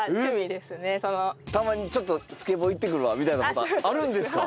たまにちょっと「スケボー行ってくるわ」みたいな事あるんですか？